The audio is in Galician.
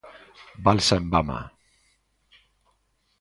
Balsa en Bama.